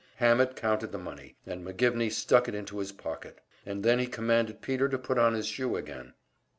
Hammett counted the money, and McGivney stuck it into his pocket, and then he commanded Peter to put on his shoe again.